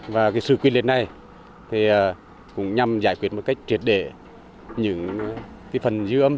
và sự quyết liệt này cũng nhằm giải quyết một cách triệt để những phần dư âm